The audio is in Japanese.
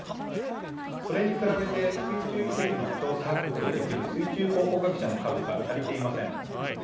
それに比べて水中遺跡の調査発掘をできる水中考古学者の数が足りていません。